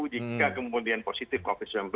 jika kemudian positif covid sembilan belas